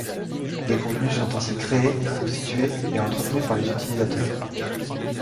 Les contenus sont ainsi créés, constitués et entretenus par les utilisateurs.